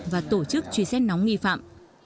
và tổ chức truy xét nóng nghi phạm